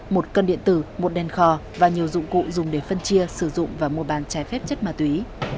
một cân điện tử một đèn kho và nhiều dụng cụ dùng để phân chia sử dụng và mua bán trái phép chất ma túy